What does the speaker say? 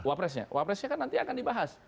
wapresnya wapresnya kan nanti akan dibahas